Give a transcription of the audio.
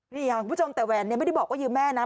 วี้หังคุณผู้ชมแต่แหวนเนี่ยไม่ได้บอกว่ายืมแม่นะ